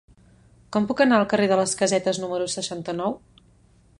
Com puc anar al carrer de les Casetes número seixanta-nou?